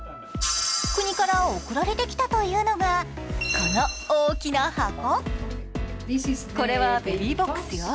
国から送られてきたというのがこの大きな箱。